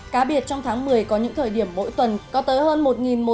cá biệt trong tháng một mươi có những thời điểm mỗi tuần có tới hơn một một trăm linh bệnh